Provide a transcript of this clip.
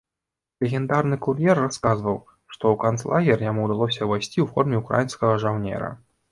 Легендарны кур'ер расказваў, што ў канцлагер яму ўдалося ўвайсці ў форме ўкраінскага жаўнера.